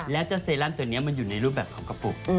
แล้วเจ้าเซรั่มตัวนี้มันอยู่ในรูปแบบของกระปุก